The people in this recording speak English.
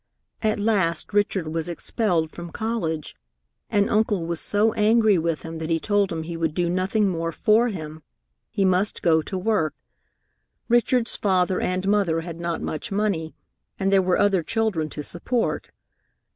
"At last Richard was expelled from college, and Uncle was so angry with him that he told him he would do nothing more for him. He must go to work. Richard's father and mother had not much money, and there were other children to support.